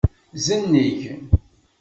Zenneg.